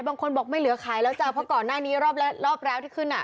บางคนบอกไม่เหลือขายแล้วจ้ะเพราะก่อนหน้านี้รอบแล้วที่ขึ้นอ่ะ